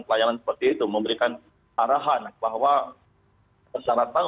pelayanan seperti itu memberikan arahan bahwa persyaratan